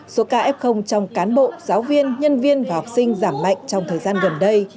số ca f trong cán bộ giáo viên nhân viên và học sinh giảm mạnh trong thời gian gần đây